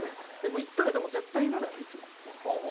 でも行ったらでも絶対いるのよいつも。